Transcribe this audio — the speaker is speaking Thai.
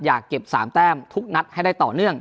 อยากเก็บ๓แต้มทุกนัดให้ได้ต่อเนื่อง